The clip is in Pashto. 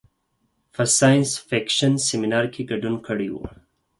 په ساینس فکشن سیمنار کې ګډون کړی و.